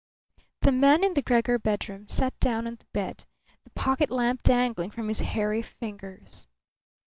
The man in the Gregor bedroom sat down on the bed, the pocket lamp dangling from his hairy fingers.